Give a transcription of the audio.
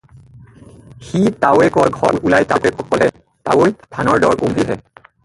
"সি তাৱৈয়েকৰ ঘৰ ওলাই তাৱৈয়েকক ক'লে, "তাৱৈ, ধানৰ দৰ কমিলেহে।"